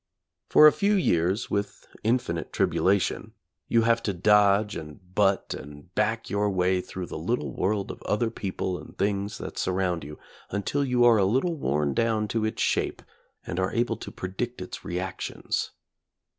For a few years, with infinite tribula tion, you have to dodge and butt and back your way through the little world of other people and things that surround you, until you are a little worn down to its shape and are able to predict its reactions.